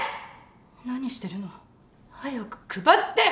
何してるの早く配って！